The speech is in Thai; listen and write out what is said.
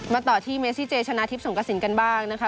ต่อที่เมซิเจชนะทิพย์สงกระสินกันบ้างนะคะ